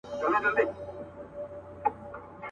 په لس هاوو یې لیدلي وه ښارونه.